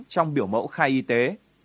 trong biểu mẫu khai báo y tế